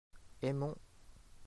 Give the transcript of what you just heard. aimons.